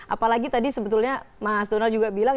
apalagi tadi sebetulnya mas donald juga bilang